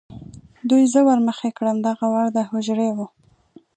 دوی زه ور مخې کړم، دغه ور د هوجرې و.